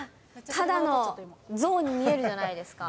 ただの像に見えるじゃないですか。